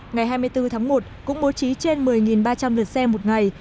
ngày hai mươi bốn tháng một cũng bố trí trên một mươi ba trăm linh lượt xe một ngày